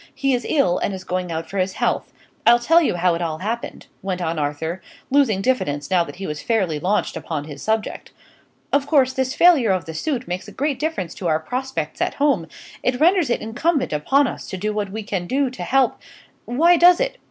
He is ill, and is going out for his health. I'll tell you how it all happened," went on Arthur, losing diffidence now that he was fairly launched upon his subject. "Of course, this failure of the suit makes a great difference to our prospects at home; it renders it incumbent upon us to do what we can to help " "Why does it?"